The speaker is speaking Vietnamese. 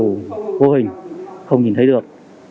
nếu kẻ thù không có hình không nhìn thấy được